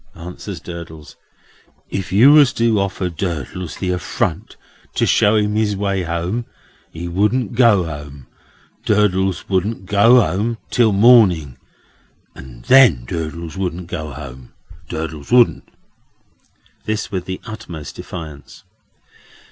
answers Durdles. "If you was to offer Durdles the affront to show him his way home, he wouldn't go home. Durdles wouldn't go home till morning; And then Durdles wouldn't go home, Durdles wouldn't." This with the utmost defiance.